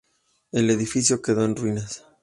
El edificio quedó en ruinas.